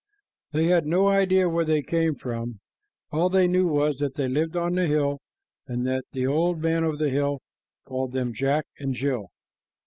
They had no idea where they came from. All they knew was that they lived on the hill, and that the old man of the hill called them Jack and Jill.